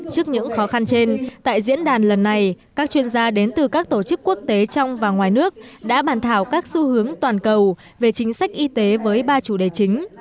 trước những khó khăn trên tại diễn đàn lần này các chuyên gia đến từ các tổ chức quốc tế trong và ngoài nước đã bàn thảo các xu hướng toàn cầu về chính sách y tế với ba chủ đề chính